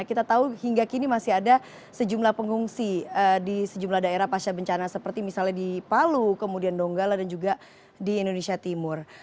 kita tahu hingga kini masih ada sejumlah pengungsi di sejumlah daerah pasca bencana seperti misalnya di palu kemudian donggala dan juga di indonesia timur